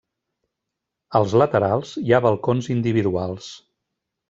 Als laterals hi ha balcons individuals.